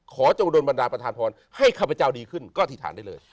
ขอจงวดลบนดาปรฐานพรให้ข้างบะเจ้าดีขึ้นก็อธิฐานได้เลย